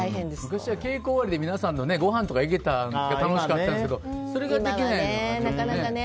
昔は稽古終わりで皆さんとごはんとか行けたのが楽しかったんですけどそれができないのがね。